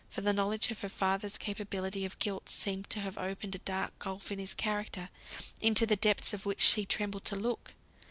For the knowledge of her father's capability of guilt seemed to have opened a dark gulf in his character, into the depths of which she trembled to look.